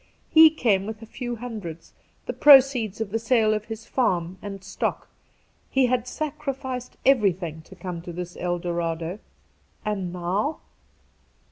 He came with a few hundreds, the proceeds of the sale of his farm and stock. He had sacrificed everything to come to this El Dorado — and now